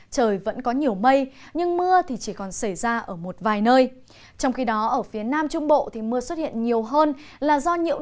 xin chào các bạn